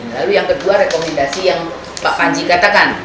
lalu yang kedua rekomendasi yang pak panji katakan